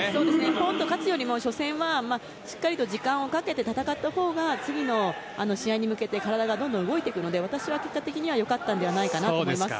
ポンと勝つよりも初戦はしっかりと時間をかけて戦ったほうが次の試合に向けて体がどんどん動くので私は結果的にはよかったのではないかと思います。